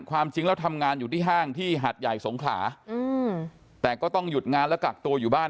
ความจริงแล้วทำงานอยู่ที่ห้างที่หัดใหญ่สงขลาแต่ก็ต้องหยุดงานและกักตัวอยู่บ้าน